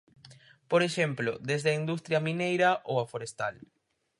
Por exemplo, desde a industria mineira ou a forestal.